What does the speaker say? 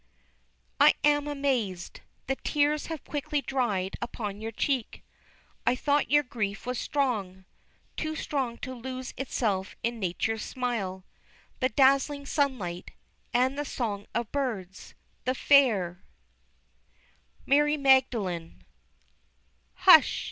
I am amazed! the tears have quickly dried upon your cheek. I thought your grief was strong, Too strong to lose itself in Nature's smile, The dazzling sunlight, and the song of birds, The fair MARY MAGDALENE. Hush!